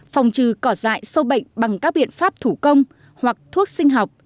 phòng trừ cỏ dại sâu bệnh bằng các biện pháp thủ công hoặc thuốc sinh học